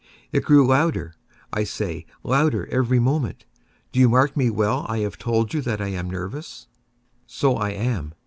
It grew louder, I say, louder every moment!—do you mark me well? I have told you that I am nervous: so I am.